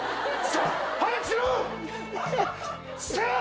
さあ！